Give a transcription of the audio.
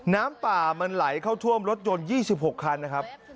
น้ำป่ามันไหลเข้าท่วมรถยนต์๒๖คันนะครับ